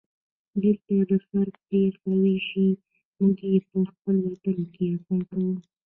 دلته هره پېښه وشي موږ یې په خپل وطن کې احساسوو.